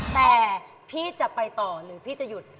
แต่พี่จะไปต่อหรือพี่จะหยุด